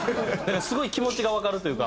すごい気持ちがわかるというか。